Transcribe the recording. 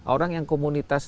orang yang komunitas